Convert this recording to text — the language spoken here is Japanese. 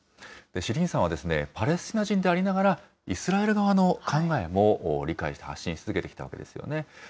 シリーンさんはパレスチナ人でありながら、イスラエル側の考えも理解して発信し続けてきたわけなんですね。